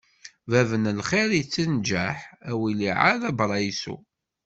Bab n lxiṛ ittenǧaḥ, a waliɛad abṛaysu.